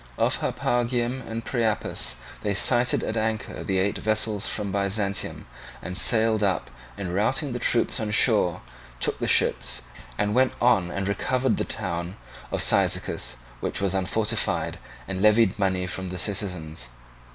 Off Harpagium and Priapus they sighted at anchor the eight vessels from Byzantium, and, sailing up and routing the troops on shore, took the ships, and then went on and recovered the town of Cyzicus, which was unfortified, and levied money from the citizens.